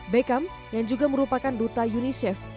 beckham yang juga merupakan duta unicef